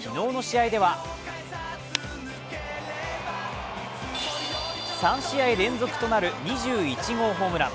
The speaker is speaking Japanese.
昨日の試合では、３試合連続となる２１号ホームラン。